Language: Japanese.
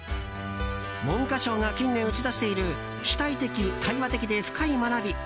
文科省が近年打ち出している主体的・対話的で深い学び。